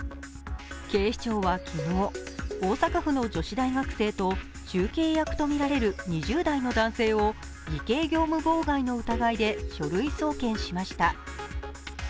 警視庁は昨日、大阪府の女子大学生と中継役とみられる２０代の男性を偽計業務妨害の疑いで書類送検しました。